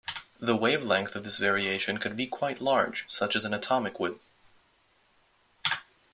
The wavelength of this variation could be quite large such as an atomic width.